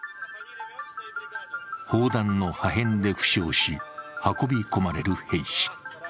砲弾の破片で負傷し、運び込まれる兵士。